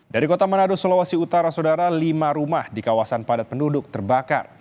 dari kota manado sulawesi utara saudara lima rumah di kawasan padat penduduk terbakar